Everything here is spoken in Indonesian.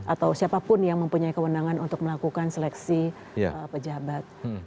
atau siapapun yang mempunyai kewenangan untuk melakukan seleksi pejabat